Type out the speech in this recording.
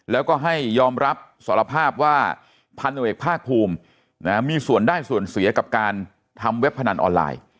แล้วก็ให้ยอมรับสารภาพว่าพันธุเอกภาคภูมิมีส่วนได้ส่วนเสียกับการทำเว็บพนันออนไลน์